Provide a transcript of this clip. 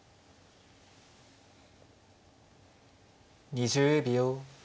２０秒。